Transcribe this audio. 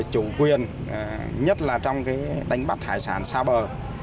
chủ quyền nhất là trong đánh bắt hải sản xa bờ